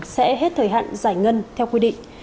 sẽ hết thời hạn giải ngân theo quy định